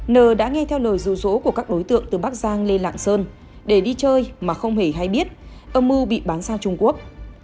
nờ đã nghe theo lời rụ rỗ của các đối tượng từ bắc giang lên lạng sơn để đi chơi mà không hề hay biết âm mưu bị bán sang trung quốc